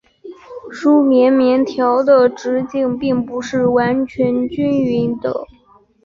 梳棉棉条的直径并不是完全均匀的。